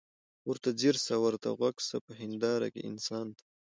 ورته ځیر سه ورته غوږ سه په هینداره کي انسان ته